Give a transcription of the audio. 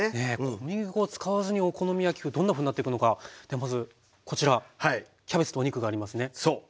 小麦粉を使わずにお好み焼き風どんなふうになっていくのかまずこちらキャベツとお肉がありますね。